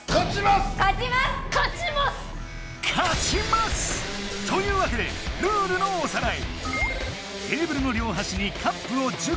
勝ちます！というわけでルールのおさらい。